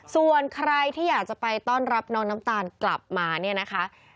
ส่วนใครที่อยากจะไปต้อนรับน้องน้ำตาลกลับมาเนี่ยนะคะ